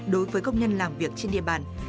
đối với công nhân làm việc trên địa bàn